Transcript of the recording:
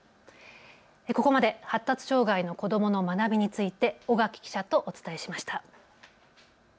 ここまで発達障害の子どもの学びについて尾垣記者とお伝えしました。